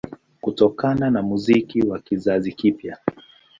Kutokana na muziki wa kizazi kipya